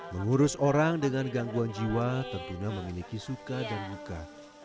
mengurus orang dengan gangguan jiwa tentunya memiliki suka dan luka